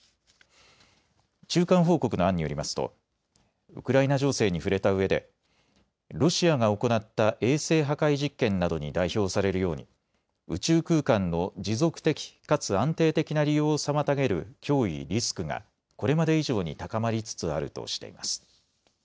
中間報告の案によりますとウクライナ情勢に触れたうえでロシアが行った衛星破壊実験などに代表されるように宇宙空間の持続的かつ安定的な利用を妨げる脅威・リスクがこれまで以上に高まりつつあるとしています。